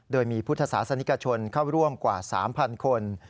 โดยมีพุทธศาสนิกชนเข้าร่วมกว่า๓๐๐คน